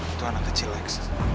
itu anak kecil lex